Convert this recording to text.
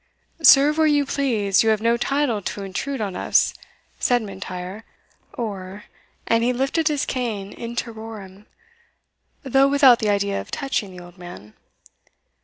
"Serve where you please, you have no title to intrude on us," said M'Intyre, "or" and he lifted his cane in terrorem, though without the idea of touching the old man.